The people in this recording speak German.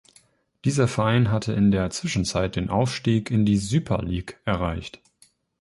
Dieser Verein hatte in der Zwischenzeit den Aufstieg in die Süper Lig erreicht.